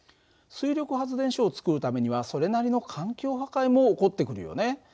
水力発電所を造るためにはそれなりの環境破壊も起こってくるよね。